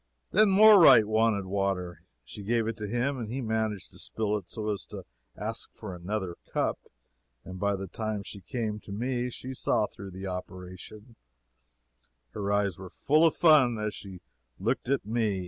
Then Moreright wanted water. She gave it to him and he managed to spill it so as to ask for another cup, and by the time she came to me she saw through the operation; her eyes were full of fun as she looked at me.